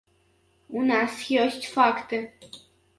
У нас ёсць факты.